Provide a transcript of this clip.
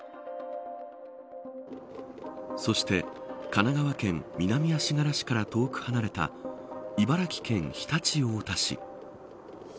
そして神奈川県南足柄市から遠く離れた茨城県常陸太田市。